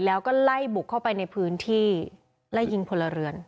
แล้วก็ไล่บุกเข้าไปในพื้นที่ไล่ยิงพลเรือน